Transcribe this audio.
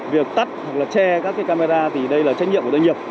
việc tắt hoặc là che các cái camera thì đây là trách nhiệm của doanh nghiệp